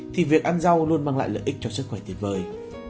thì việc ăn rau luôn mang lại lợi ích cho sức khỏe tuyệt vời